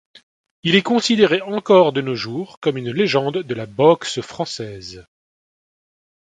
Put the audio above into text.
Il est considéré, encore de nos jours comme une légende de la boxe française.